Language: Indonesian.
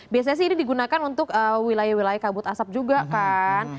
biasanya sih ini digunakan untuk wilayah wilayah kabut asap juga kan